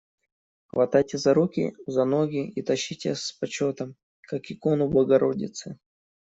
Хватайте за руки, за ноги и тащите с почетом, как икону богородицы.